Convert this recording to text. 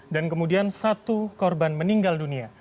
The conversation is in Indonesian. dan kemudian satu korban meninggal dunia